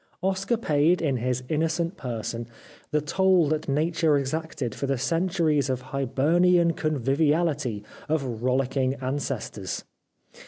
Oscar paid in his innocent person the toll that Nature exacted for the centuries of Hibernian convivia lity of rollicking ancestors.